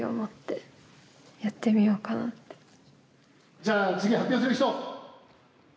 じゃあ次発表する人！